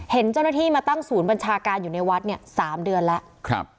เห็นเจ้าหน้าที่มาตั้งศูนย์บัญชาการอยู่ในวัดเนี่ย๓เดือนแล้ว